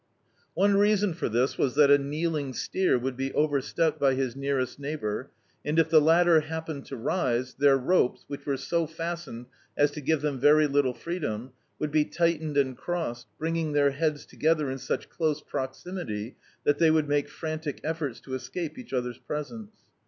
One reason for this was that a kneeling steer would be overstepped by his nearest nei^bour, and if the latter happened to rise, their ropes, which were so fastened as to give them very little freedom, would be tightened and crossed, bringing their heads t(^thcr in such close proximity, that they would make frantic efforts to escape each other's presence.